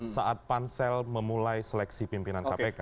saat pansel memulai seleksi pimpinan kpk